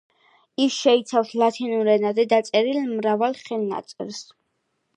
ის შეიცავს ლათინურ ენაზე დაწერილ მრავალ ხელნაწერს.